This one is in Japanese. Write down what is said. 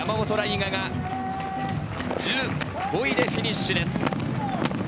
我が１５位でフィニッシュです。